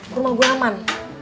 rumah gua aman